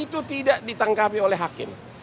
itu tidak ditangkapi oleh hakim